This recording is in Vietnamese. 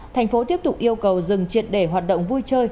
thành phố tiếp tục yêu cầu dừng triệt để hoạt động vui chơi